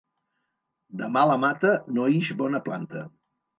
De mala mata no ix bona planta.